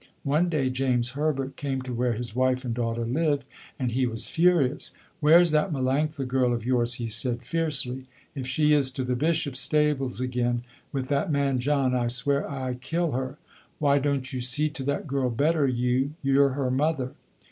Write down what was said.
One day James Herbert came to where his wife and daughter lived, and he was furious. "Where's that Melanctha girl of yours," he said fiercely, "if she is to the Bishops' stables again, with that man John, I swear I kill her. Why don't you see to that girl better you, you're her mother."